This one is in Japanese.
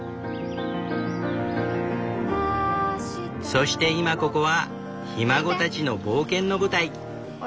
そして今ここはひ孫たちの冒険の舞台。